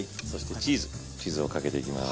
チーズをかけていきます。